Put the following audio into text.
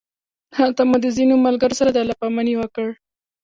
هلته مو د ځینو ملګرو سره د الله پامانۍ وکړ.